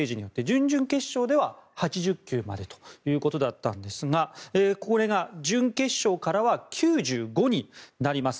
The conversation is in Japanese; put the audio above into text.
準々決勝では８０球までということだったんですがこれが準決勝からは９５になります。